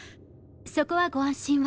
そこはご安心を。